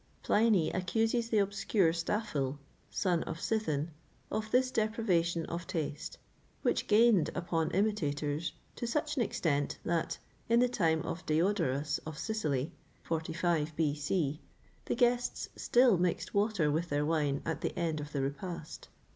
[XXVIII 25] Pliny accuses the obscure Staphil, sou of Sithen,[XXVIII 26] of this depravation of taste, which gained upon imitators to such an extent that, in the time of Diodorus of Sicily (45 B.C.), the guests still mixed water with their wine at the end of the repast.